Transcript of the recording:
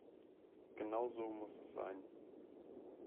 Genau so muss es sein.